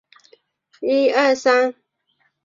同年赴美留学。